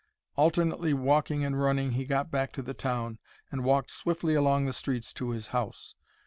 Alternately walking and running, he got back to the town, and walked swiftly along the streets to his house.